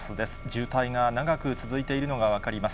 渋滞が長く続いているのが分かります。